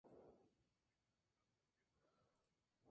La marina de guerra es equiparable a la marina aliada.